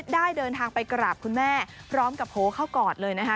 ได้เดินทางไปกราบคุณแม่พร้อมกับโพลเข้ากอดเลยนะคะ